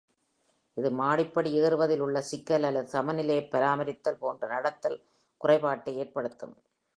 இது மாடிப்படி ஏறுவதில் உள்ள சிக்கல் அல்லது சமநிலையை பராமரித்தல் போன்ற நடத்தல் குறைபாட்டை ஏற்படுத்தும்.